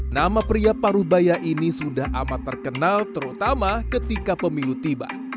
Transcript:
nama pria paruh baya ini sudah amat terkenal terutama ketika pemilu tiba